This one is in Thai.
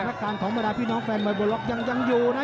สถานการณ์ของเมื่อดายพี่น้องแฟนมายบล็อกยังอยู่นะ